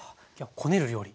こねる料理。